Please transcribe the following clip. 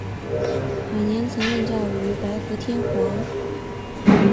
晚年曾任教于白河天皇。